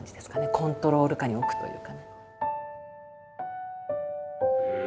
コントロール下に置くというか。